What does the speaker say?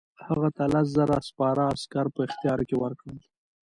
هغه ته لس زره سپاره عسکر په اختیار کې ورکړل.